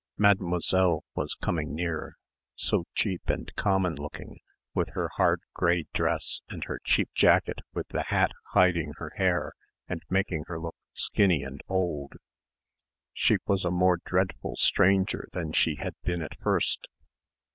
Mademoiselle was coming near ... so cheap and common looking with her hard grey dress and her cheap jacket with the hat hiding her hair and making her look skinny and old. She was a more dreadful stranger than she had been at first